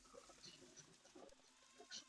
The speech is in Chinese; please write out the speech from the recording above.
阿尔让河畔皮热人口变化图示